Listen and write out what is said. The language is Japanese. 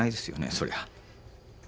そりゃ。